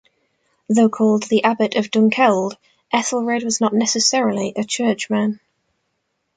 Though called the abbot of Dunkeld, Ethelred was not necessarily a churchman.